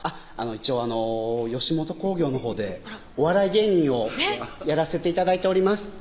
一応吉本興業のほうでお笑い芸人をやらせて頂いております